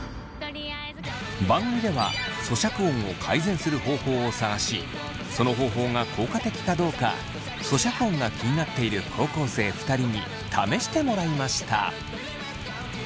番組では咀嚼音を改善する方法を探しその方法が効果的かどうか咀嚼音が気になっている高校生２人に試してもらいました。